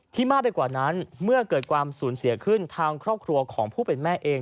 มากไปกว่านั้นเมื่อเกิดความสูญเสียขึ้นทางครอบครัวของผู้เป็นแม่เอง